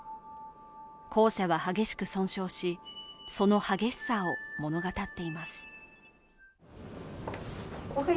校舎は激しく損傷し、その激しさを物語っています。